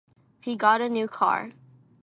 He got a new car.